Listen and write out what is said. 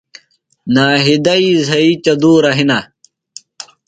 ناہیدئی زھئی چدُورہ ہِنہ۔